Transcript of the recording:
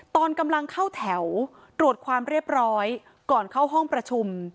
ตอนกำลังเข้าแถวตรวจความเรียบร้อยก่อนเข้าห้องประชุม